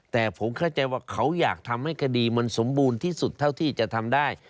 แต่ผมเข้าใจว่าเขาอยากทำให้คดีมันสมบูรณ์ที่สุดเท่าที่จะทำได้